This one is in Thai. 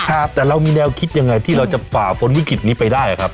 ครับแต่เรามีแนวคิดยังไงที่เราจะฝ่าฝนวิกฤตนี้ไปได้ครับ